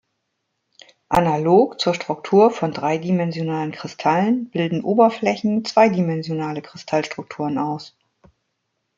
Analog zur Struktur von dreidimensionalen Kristallen bilden Oberflächen zweidimensionale Kristallstrukturen aus.